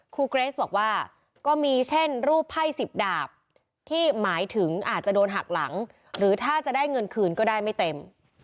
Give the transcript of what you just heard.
เกรสบอกว่าก็มีเช่นรูปไพ่๑๐ดาบที่หมายถึงอาจจะโดนหักหลังหรือถ้าจะได้เงินคืนก็ได้ไม่เต็ม